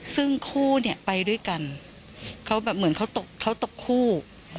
ซึ่งคู่เนี่ยไปด้วยกันเขาแบบเหมือนเขาตกคู่